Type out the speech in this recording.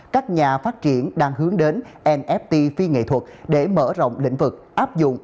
các nhà phát triển đang hướng đến nft phi nghệ thuật để mở rộng lĩnh vực áp dụng